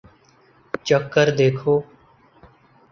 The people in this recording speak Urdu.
چکھ کر دیکھو